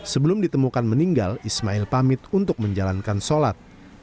sebelum ditemukan meninggal ismail pamit untuk menjalankan sholat